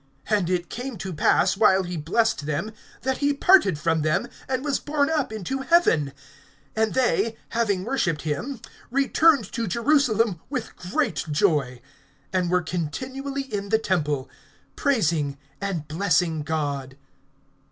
(51)And it came to pass, while he blessed them, that he parted from them, and was borne up into heaven. (52)And they, having worshiped him, returned to Jerusalem with great joy; (53)and were continually in the temple, praising and blessing God.